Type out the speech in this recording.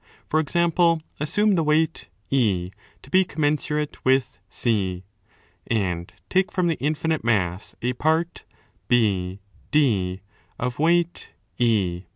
For example, assume the weight £ to be commensurate with Οἱ and take from the infinite mass a part BD of weight &.